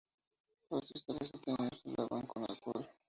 Los cristales obtenidos se lavan con alcohol.